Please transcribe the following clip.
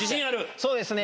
そうですね。